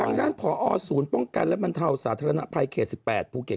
ทางด้านผอศูนย์ป้องกันและบรรเทาสาธารณภัยเขต๑๘ภูเก็ต